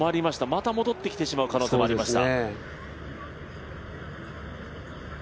また戻ってきてしまう可能性もありました。